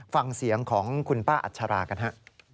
ฟังเสียงของคุณป้าอัชรากันฮะ